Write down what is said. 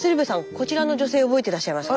こちらの女性覚えていらっしゃいますか？